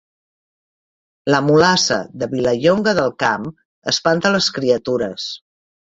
La mulassa de Vilallonga del Camp espanta les criatures